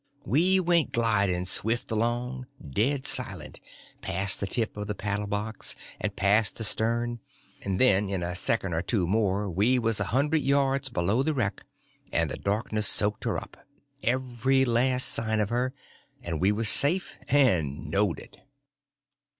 We went gliding swift along, dead silent, past the tip of the paddle box, and past the stern; then in a second or two more we was a hundred yards below the wreck, and the darkness soaked her up, every last sign of her, and we was safe, and knowed it.